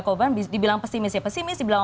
korban dibilang pesimis ya pesimis dibilang